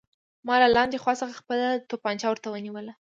ما له لاندې خوا څخه خپله توپانچه ورته ونیوله